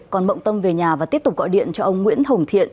còn mộng tâm về nhà và tiếp tục gọi điện cho ông nguyễn hồng thiện